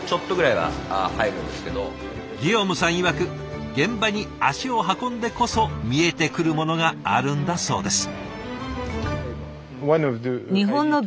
いわく現場に足を運んでこそ見えてくるものがあるんだそうです。